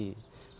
đã được đưa ra